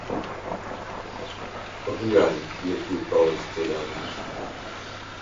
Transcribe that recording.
Глянь, які ў калысцы ляжыць.